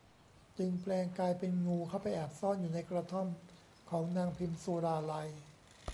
จึงแปลงกายเป็นงูเข้าไปแอบซ่อนอยู่ในกระท่อมของนางพิมสุราลัย